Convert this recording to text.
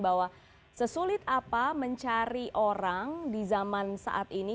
beberapa media online bahwa sesulit apa mencari orang di zaman saat ini